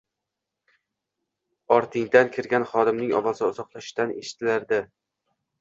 Ortingdan kirgan xodimning ovozi uzoqlardan eshitiladi.